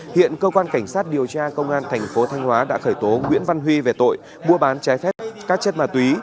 hiện cơ quan cảnh sát điều tra công an thành phố thanh hóa đã khởi tố nguyễn văn huy về tội mua bán trái phép các chất ma túy